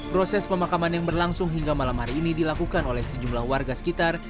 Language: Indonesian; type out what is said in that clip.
proses pemakaman yang berlangsung hingga malam hari ini dilakukan oleh sejumlah warga sekitar